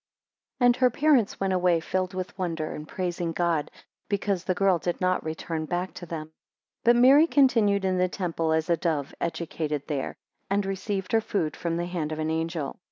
AND her parents went away filled with wonder, and praising God, because the girl did not return back to them. 2 But Mary continued in the temple as a dove educated there, and received her food from the hand of an angel.